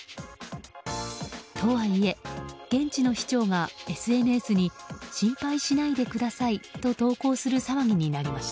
とはいえ、現地の市長がＳＮＳに心配しないでくださいと投稿する騒ぎになりました。